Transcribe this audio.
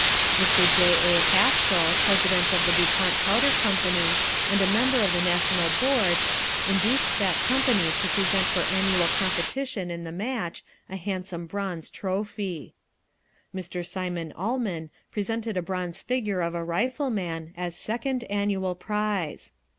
Mr. J. A. Haskell, president of the Du Pont Powder Company, and a member of the national board, induced that company to present for annual competition in the match, a handsome bronze trophy. Mr. Simon Uhlmann presented a bronze figure of a rifleman, as second annual prize.